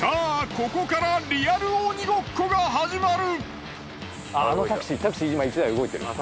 ここからリアル鬼ごっこが始まる！